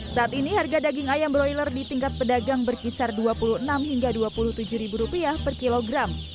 saat ini harga daging ayam broiler di tingkat pedagang berkisar rp dua puluh enam hingga rp dua puluh tujuh per kilogram